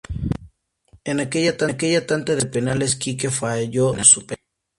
En aquella tanda de penales Kike falló su penal.